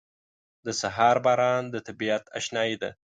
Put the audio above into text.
• د سهار باران د طبیعت اشنايي ده.